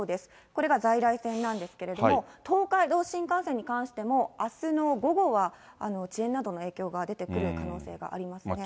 これが在来線なんですけれども、東海道新幹線に関しても、あすの午後は遅延などの影響が出てくる可能性がありますね。